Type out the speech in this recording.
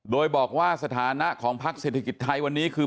โดยบอกว่าสถานะของพักเศรษฐกิจไทยวันนี้คือ